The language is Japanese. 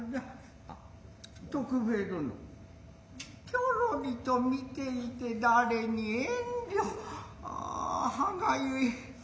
あ徳兵衛殿きょろりと見て居て誰に遠慮アアはがゆい。